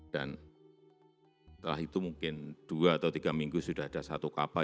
setelah itu mungkin dua atau tiga minggu sudah ada satu kapal